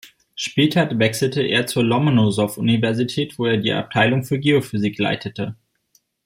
Später wechselte er zur Lomonossow-Universität, wo er die Abteilung für Geophysik leitete.